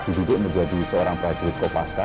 tidur tidur menjadi seorang prajurit kopaska